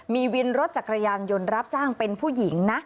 มีวินรถจักรยานยนต์รับจ้างเป็นผู้หญิงนะ